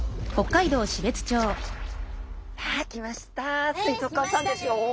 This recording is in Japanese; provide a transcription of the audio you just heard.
さあ来ました水族館さんですよ。